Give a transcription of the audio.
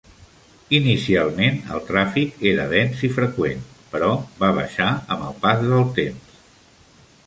Inicialment, el tràfic era dens i freqüent, però va baixar amb el pas del temps.